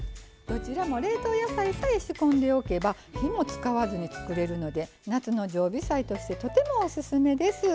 どちらも冷凍野菜さえ仕込んでおけば火も使わずに作れるので夏の常備菜としてとてもおすすめです。